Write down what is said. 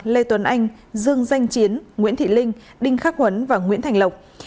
lê tuấn anh dương danh chiến nguyễn thị linh đinh khắc huấn và nguyễn thành lộc